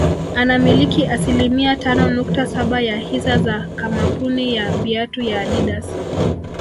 Anamiliki asilimia tano nukta saba ya hisa za kamapuni ya viatu ya Adidas